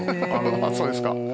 そうですか。